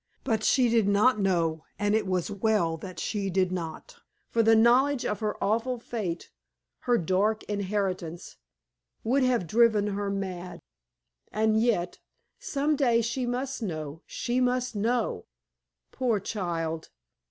But she did not know, and it was well that she did not; for the knowledge of her awful fate her dark inheritance would have driven her mad. And yet, some day she must know she must know! Poor child!